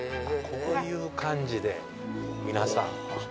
こういう感じで皆さん。